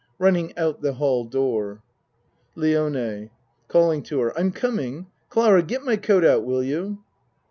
(Running out the hall door.) LIONE (Calling to her.) I'm coming. Clara, get my coat out, will you?